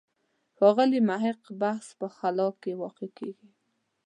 ښاغلي محق بحث په خلا کې واقع کېږي.